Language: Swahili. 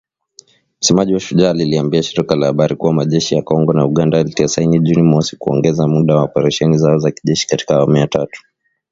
Msemaji wa Shujaa aliliambia shirika la habari kuwa majeshi ya Kongo na Uganda yalitia saini Juni mosi kuongeza muda wa operesheni zao za kijeshi katika awamu ya tatu.